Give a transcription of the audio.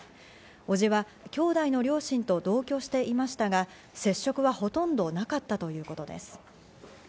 伯父は兄弟の両親と同居していましたが、接触はほとんどなかったということです。